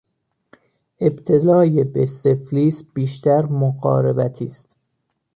ابتلای به سفلیس بیشتر مقاربتی است.